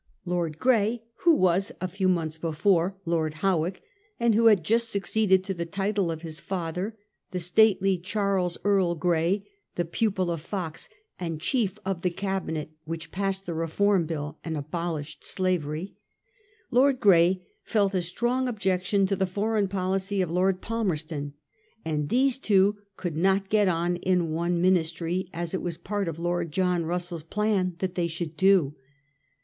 Lord Grey, who was a few months before Lord Howick, and who had just succeeded to the title of his father (the stately Charles Earl Grey, the pupil of Fox, and chief of the Cabinet which passed the Reform Bill and abo lished slavery) — Lord Grey felt a strong objection to the foreign policy of Lord Palmerston, and these two could not get on in one Ministry as it was part of Lord John Russell's plan that they should do.